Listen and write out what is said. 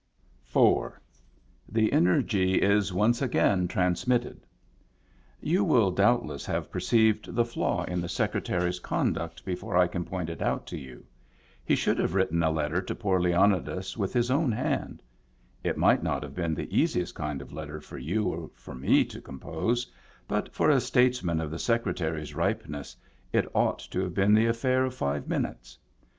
Digitized by VjOOQIC I20 MEMBERS OF THE FAMILY IV. The Energy is Once Again Transmitted You will doubtless have perceived the flaw ia the Secretary's conduct before I can point it out to you. He should have written a letter to poor Leonidas with his own hand. It might not have been the easiest kind of letter for you or for me to compose; but for a statesman of the Secre tary's ripeness it ought to have been the a£Eair of five minutes.